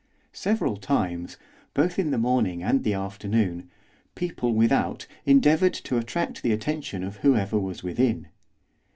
Several times, both in the morning and the afternoon, people without endeavoured to attract the attention of whoever was within.